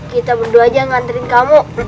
kita berdua aja nganterin kamu